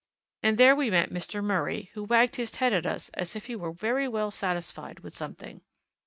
And there we met Mr. Murray, who wagged his head at us as if he were very well satisfied with something.